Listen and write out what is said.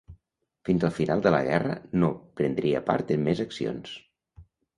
Fins al final de la guerra no prendria part en més accions.